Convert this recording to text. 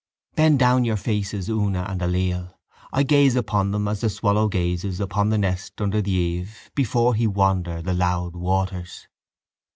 Bend down your faces, Oona and Aleel. I gaze upon them as the swallow gazes Upon the nest under the eave before He wander the loud waters.